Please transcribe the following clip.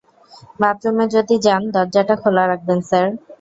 বাথরুমে যদি যান দরজাটা খোলা রাখবেন স্যার!